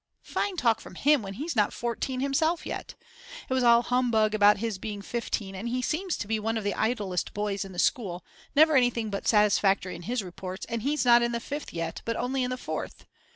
Fine talk from him when he's not 14 himself yet. It was all humbug about his being 15 and he seems to be one of the idlest boys in the school, never anything but Satisfactory in his reports, and he's not in the fifth yet, but only in the fourth.